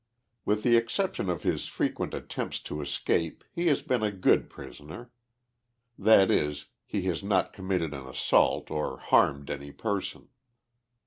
With the exception of his frequent attempts to escape he has been a good prisoner. That is : he has not committed an assault, or harmed any person.